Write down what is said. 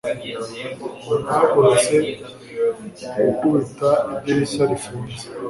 nahagurutse gukubita idirishya rifunze